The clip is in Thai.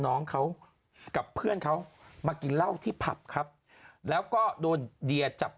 น้องเขากับเพื่อนเขามากินเหล้าที่ผับครับแล้วก็โดนเดียจับ